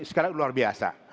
sekarang luar biasa